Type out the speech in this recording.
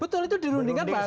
betul itu dirundingkan bahasanya